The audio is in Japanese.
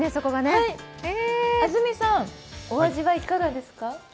安住さん、お味はいかがですか？